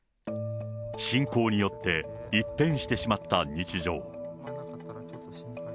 侵攻によって一変してしまった日常。